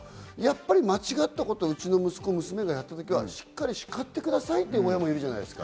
間違ったことをうちの息子・娘がやったときはしっかり叱ってくださいって親もいるじゃないですか。